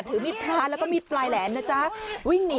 ถือมิตรพระราชและก็มิตรประแหลกครับ